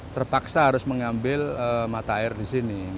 terpaksa harus mengambil mata air di sini